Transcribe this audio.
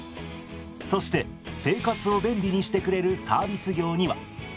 そして生活を便利にしてくれるサービス業には美容室。